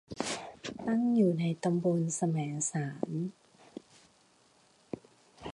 ตั้งอยู่ในตำบลแสมสาร